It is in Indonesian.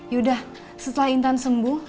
yaudah setelah intan sembuh